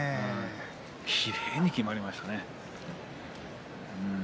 きれいにきまりましたね。